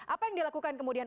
apa yang dilakukan kemudian